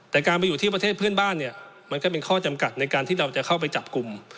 แต่การไปอยู่ที่ประเทศเพื่อนบ้านเนี่ยมันก็เป็นข้อจำกัดในการที่เราจะเข้าไปจับกลุ่ม